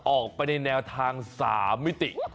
ออกไปในแนวทาง๓มิติ